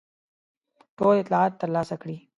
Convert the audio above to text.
ټول اطلاعات ترلاسه کړي.